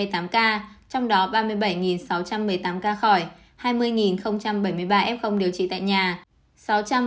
trong đó ba mươi bảy sáu trăm một mươi tám ca khỏi hai mươi bảy mươi ba f điều trị tại nhà